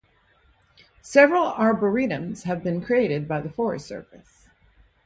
Several arboretums have been created by the Forest Service.